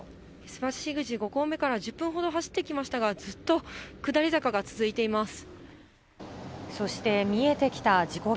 須走口５合目から１０分ほど走ってきましたが、ずっと下り坂が続いています。